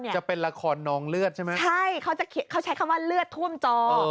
จะเป็นละครนองเลือดใช่ไหมใช่เขาจะเขาใช้คำว่าเลือดท่วมจอ